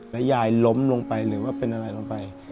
ยายล้มลงไปหรือว่าเป็นอะไรลงไป